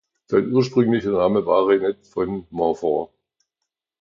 Sein ursprünglicher Name war "Renette von Montfort".